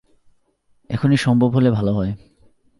এখুনি সম্ভব হলে ভালো হয়।